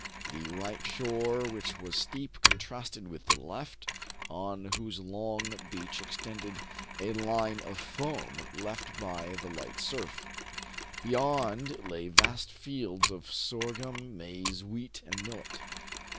The right shore, which was steep, contrasted with the left, on whose long beach extended a line of foam left by the light surf. Beyond lay vast fields of sorghum, maize, wheat, and millet.